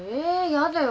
やだよ。